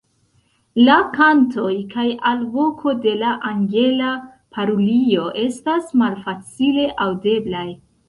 La kantoj kaj alvoko de la Angela parulio estas malfacile aŭdeblaj.